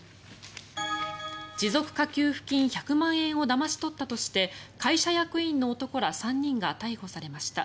持続化給付金１００万円をだまし取ったとして会社役員の男ら３人が逮捕されました。